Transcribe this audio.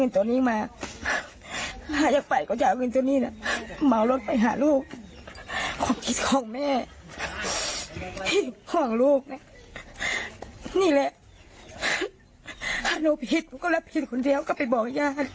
หนูผิดหนูก็รับผิดคนเดียวก็ไปบอกญาติ